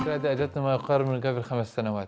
atau sukan imara